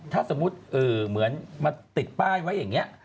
ถ้าสมมุติเหมือนมาติดป้ายไว้อย่างนี้